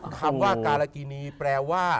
คำว่าการากินีแปลว่า